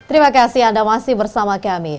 terima kasih anda masih bersama kami